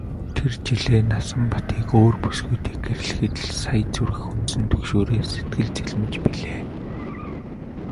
Тэр жилээ Насанбатыг өөр бүсгүйтэй гэрлэхэд л сая зүрх хөндсөн түгшүүрээс сэтгэл цэлмэж билээ.